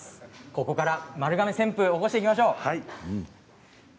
ここから丸亀旋風を起こしていきましょう。